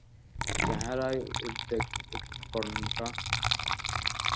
চেহারায় উদ্বেগ উৎকণ্ঠা।